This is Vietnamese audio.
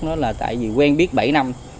nó là tại vì quen biết bảy năm